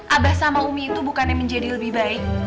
abah sama umi itu bukannya menjadi lebih baik